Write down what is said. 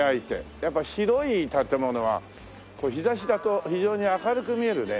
やっぱ白い建物はこう日差しだと非常に明るく見えるね。